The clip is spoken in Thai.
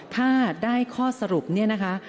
ถ้าได้ข้อสรุปเนี่ยนะคะ